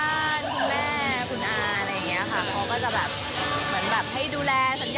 เขาก็จะแบบให้ดูแล